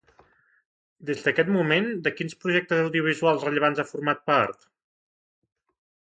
Des d'aquest moment, de quins projectes audiovisuals rellevants ha format part?